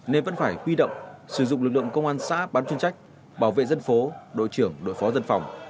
nên vẫn phải huy động sử dụng lực lượng công an xã bán chuyên trách bảo vệ dân phố đội trưởng đội phó dân phòng